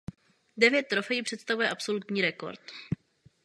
Devět trofejí představuje absolutní rekord.